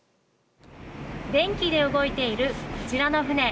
電気で動いているこちらの船